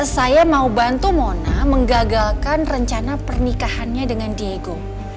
saya mau bantu mona menggagalkan rencana pernikahannya dengan diego